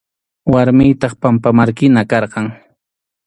Warmiytaq pampamarkina karqan.